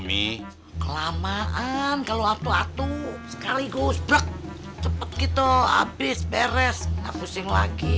mi kelamaan kalau atuh atuh sekali go sebek cepet gitu habis beres gak pusing lagi